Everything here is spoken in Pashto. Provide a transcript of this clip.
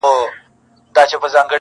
ه ياره کندهار نه پرېږدم